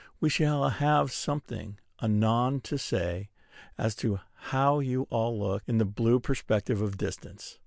We shall have something anon to say as to how you all look in the blue perspective of distance.